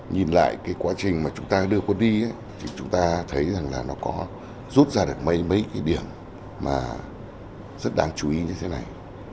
nhìn lại cái quá trình mà chúng ta đưa quân đi thì chúng ta thấy rằng là nó có rút ra được mấy mấy cái điểm mà rất đáng chú ý như thế này